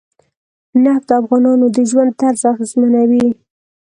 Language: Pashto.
نفت د افغانانو د ژوند طرز اغېزمنوي.